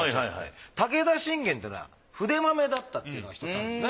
武田信玄ってのは筆まめだったっていうのがひとつあるんですね。